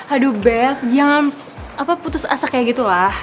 aduh beth jangan putus asa kayak gitu lah